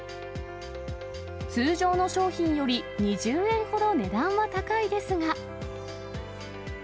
通常の商品より２０円ほど値段は高いですが。